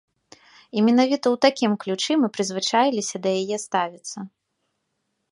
І менавіта ў такім ключы мы прызвычаіліся да яе ставіцца.